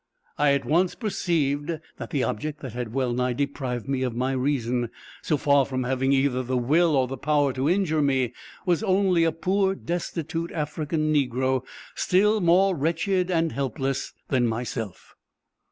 I at once perceived, that the object that had well nigh deprived me of my reason, so far from having either the will or the power to injure me, was only a poor destitute African negro, still more wretched and helpless than myself.